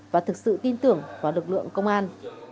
và thực sự tin tưởng vào lực lượng công an